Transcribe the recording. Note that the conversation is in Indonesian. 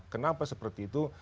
kenapa seperti itu